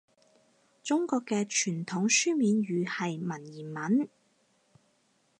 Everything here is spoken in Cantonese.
中國嘅傳統書面語係文言文